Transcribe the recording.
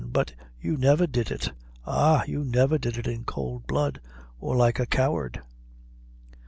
But you never did it ah! you never did it in cowld blood, or like a coward."